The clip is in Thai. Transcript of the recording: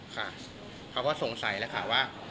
ค่ะเขาก็สงสัยแล้วค่ะว่า